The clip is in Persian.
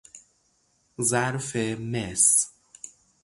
ظرف مس